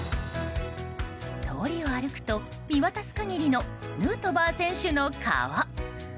通りを歩くと、見渡す限りのヌートバー選手の顔。